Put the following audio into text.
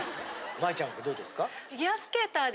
舞ちゃんはどうですか？